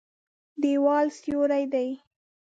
دېوال سوری دی.